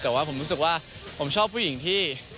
แต่ว่าผมรู้สึกว่าผมชอบผู้หญิงที่